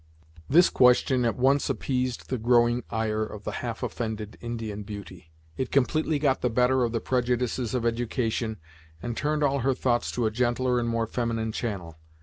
This question at once appeased the growing ire of the half offended Indian beauty. It completely got the better of the prejudices of education, and turned all her thoughts to a gentler and more feminine channel.